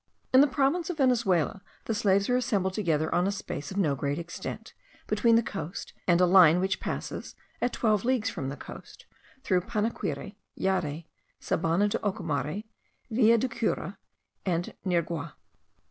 In the province of Venezuela, the slaves are assembled together on a space of no great extent, between the coast, and a line which passes (at twelve leagues from the coast) through Panaquire, Yare, Sabana de Ocumare, Villa de Cura, and Nirgua.